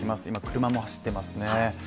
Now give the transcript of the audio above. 今、車も走っていますね。